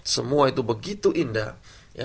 semua itu begitu indah